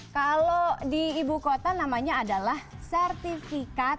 kalau di ibu kota namanya adalah sertifikat